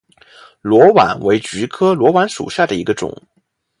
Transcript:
裸菀为菊科裸菀属下的一个种。